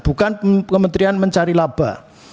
bukan kementerian mencari laba